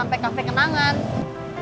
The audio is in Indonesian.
enggak usually menggabungkan peuring